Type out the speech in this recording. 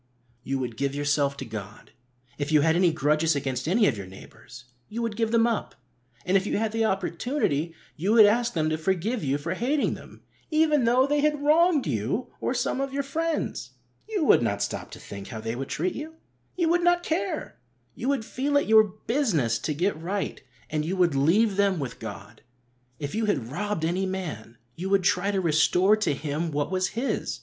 You would give yourself to God. If you had any grudges against any of your neighbours, you would give them up, and if you had the opportunity you would ask them to forgive you for hating them, even though they had wronged you or some of your friends. You would not l6 HEART TALKS ON HOLINESS. Stop to think how they would treat you. You would not care. You would feel it your business to get right, and you would leave them with God. If you had robbed any man, you would try to restore to him what was his.